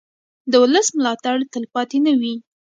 د ولس ملاتړ تلپاتې نه وي